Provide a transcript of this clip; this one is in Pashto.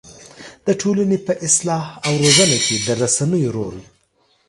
د ټولنې په اصلاح او روزنه کې د رسنيو رول